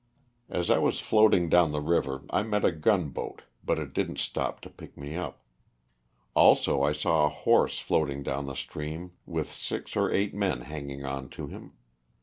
As I was floating down the river I met a gunboat, but it didn't stop to pick me up. Also I saw a horse floating down the stream with six or eight men 45 354 LOSS OF THE SULTAKA. hanging on to him.